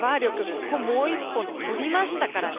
ここも１本とりましたからね。